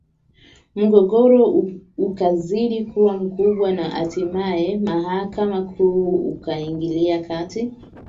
Mgogoro ukazidi kuwa mkubwa na hatimaye Mahakama Kuu ikaingilia kati